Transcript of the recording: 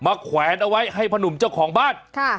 แขวนเอาไว้ให้พนุ่มเจ้าของบ้าน